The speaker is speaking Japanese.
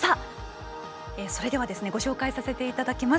それではご紹介させていただきます。